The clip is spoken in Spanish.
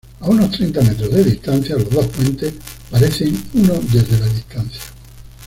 A unos treinta metros de distancia, los dos puentes parecen uno desde la distancia.